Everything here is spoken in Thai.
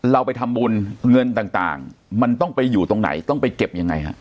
เราไปทำบุญเงินต่างมันต้องไปอยู่ตรงไหนต้องไปเก็บยังไงฮะ